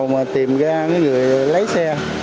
mà tìm ra người lấy xe